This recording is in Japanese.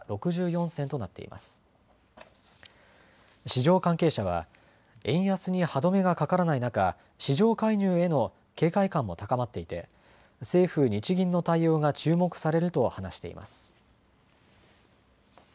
市場関係者は円安に歯止めがかからない中、市場介入への警戒感も高まっていて政府・日銀の対応が注目されると話しています。